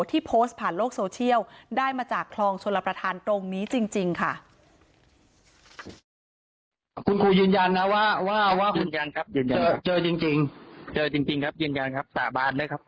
ที่โพสต์ผ่านโลกโซเชียลได้มาจากคลองชลประธานตรงนี้จริงค่ะ